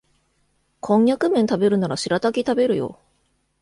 コンニャクめん食べるならシラタキ食べるよ